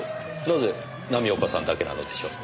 なぜ浪岡さんだけなのでしょう？